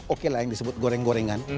oke lah yang disebut goreng gorengan